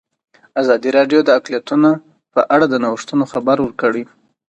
ازادي راډیو د اقلیتونه په اړه د نوښتونو خبر ورکړی.